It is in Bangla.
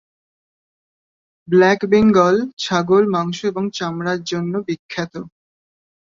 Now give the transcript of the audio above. ব্ল্যাক বেঙ্গল ছাগল মাংস এবং চামড়ার জন্য বিখ্যাত।